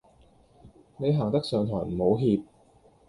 你行得上台唔好怯